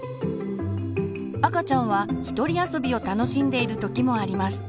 赤ちゃんは一人遊びを楽しんでいる時もあります。